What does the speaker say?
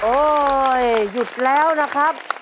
โอ้ยยหยุดแล้วนะครับ